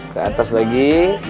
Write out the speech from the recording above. ke atas lagi